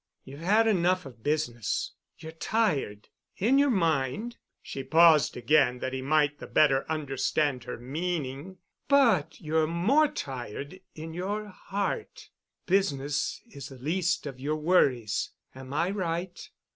You've had enough of business. You're tired—in your mind"—she paused again that he might the better understand her meaning—"but you're more tired in your heart. Business is the least of your worries. Am I right?"